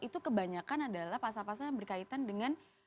itu kebanyakan adalah pasal pasal yang berkaitan dengan